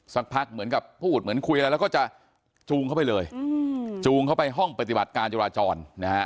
สักพักเหมือนกับพูดเหมือนคุยอะไรแล้วก็จะจูงเข้าไปเลยจูงเข้าไปห้องปฏิบัติการจราจรนะฮะ